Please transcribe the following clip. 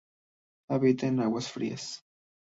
Habita en aguas frías.